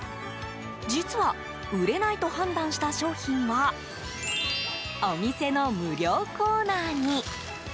実は、売れないと判断した商品はお店の無料コーナーに。